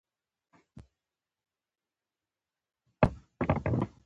زه اوس ځم .